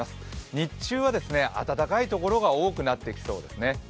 日中は暖かいところが多くなってきそうですね。